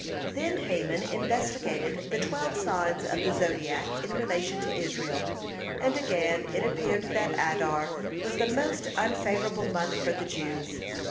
(108) Then Haman investigated the twelve signs of the zodiac in relation to Israel, and again it appeared that Adar was the most unfavorable month for the Jews.